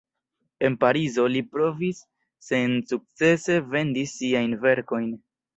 En Parizo li provis sensukcese vendis siajn verkojn.